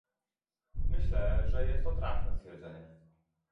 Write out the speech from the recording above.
Myślę, że jest to trafne stwierdzenie